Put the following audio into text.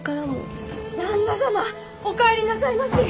・・旦那様お帰りなさいまし！